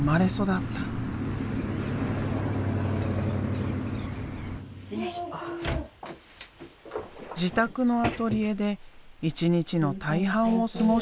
自宅のアトリエで一日の大半を過ごしている。